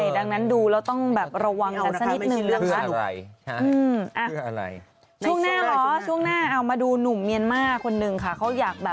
ใช่ดังนั้นดูแล้วต้องระวังกันสักนิดหนึ่งแล้วค่ะ